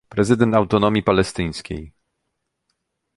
Prezydent Autonomii Palestyńskiej